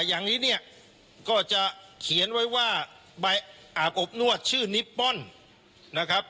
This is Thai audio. อย่างนี้เนี่ยก็จะเขียนไว้ว่าใบอาบอบนวดชื่อนิปป้อนนะครับ